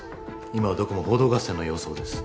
今はどこも報道合戦の様相です